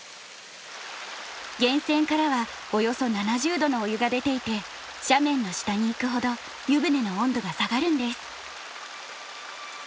源泉からはおよそ７０度のお湯が出ていて斜面の下に行くほど湯船の温度が下がるんです。